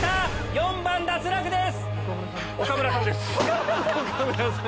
４番脱落です！